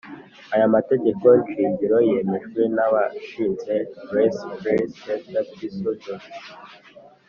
Aya mategeko shingiro yemejwe n abashinze Les pr sents statuts sont adopt s par les membres